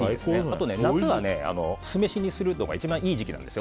あと、夏は酢飯にするのが一番いい時期なんです。